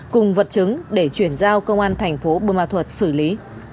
cùng vật chứng để chuyển giao công an thành phố bùa ma thuật xử lý